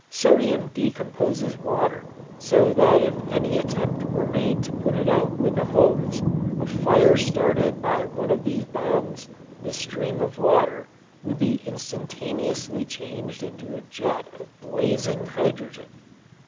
Sodium decomposes water so that if any attempt were made to put out with a hose a fire started by one of these bombs the stream of water would be instantaneously changed into a jet of blazing hydrogen.